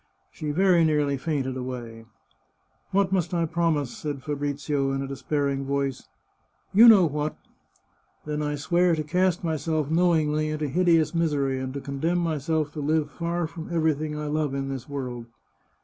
She very nearly fainted away. " What must I promise ?" said Fabrizio in a despairing voice. " You know what." " Then I swear to cast myself knowingly into hideous misery, and to condemn myself to live far from everything I love in this world."